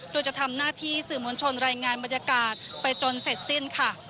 โดยจะทำหน้าที่สื่อมวลชนรายงานบรรยากาศไปจนเสร็จสิ้นค่ะ